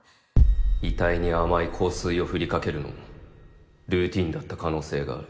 遺体に甘い香水を振りかけるのもルーティンだった可能性がある。